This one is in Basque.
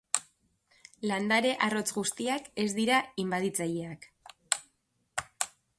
Landare arrotz guztiak ez dira inbaditzaileak.